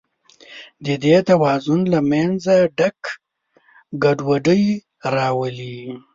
د دې توازن له منځه تګ ګډوډي راولي.